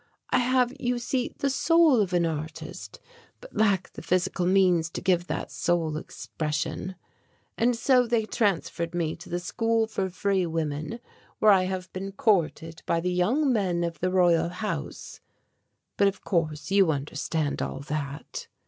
I have, you see, the soul of an artist but lack the physical means to give that soul expression. And so they transferred me to the school for free women, where I have been courted by the young men of the Royal House. But of course you understand all that."